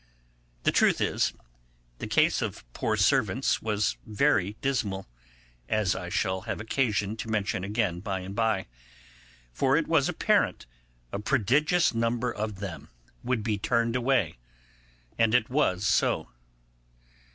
The truth is, the case of poor servants was very dismal, as I shall have occasion to mention again by and by, for it was apparent a prodigious number of them would be turned away, and it was so.